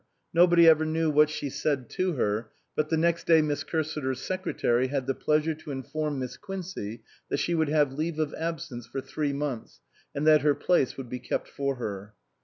No body ever knew what she said to her, but the next day Miss Cursiter's secretary had the pleasure to inform Miss Quincey that she would have leave of absence for three months, and that her place would be kept for her.